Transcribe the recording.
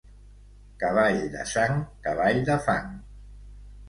Cavall de sang, cavall de fang.